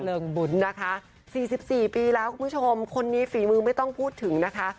บุญนะคะ๔๔ปีแล้วคุณผู้ชมคนนี้ฝีมือไม่ต้องพูดถึงนะคะ